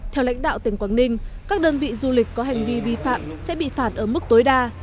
theo lãnh đạo tỉnh quảng ninh các đơn vị du lịch có hành vi vi phạm sẽ bị phạt ở mức tối đa